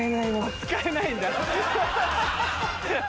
使えないんだ。